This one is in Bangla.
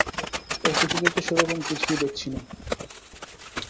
এ চিঠিতে তো সেরকম কিছুই দেখছি নে।